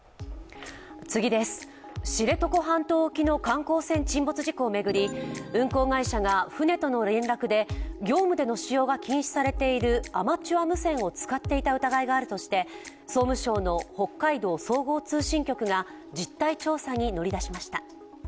知床半島沖の観光船沈没事故を巡り運航会社が船との連絡で業務での使用が禁止されているアマチュア無線を使っていた疑いがあるとして総務省の北海道総合通信局が実態調査に乗り出しました。